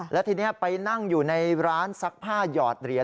แล้วทีนี้ไปนั่งอยู่ในร้านซักผ้าหยอดเหรียญ